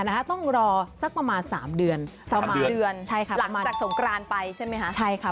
ต้องรอสักประมาณสามเดือนสามเดือนใช่ค่ะหลังจากสงกรานไปใช่ไหมคะใช่ค่ะ